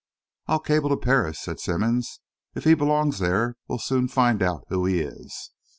"I'll cable to Paris," said Simmonds. "If he belongs there, we'll soon find out who he is."